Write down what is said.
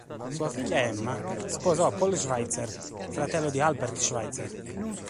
Sua figlia Emma sposò Paul Schweitzer, fratello di Albert Schweitzer.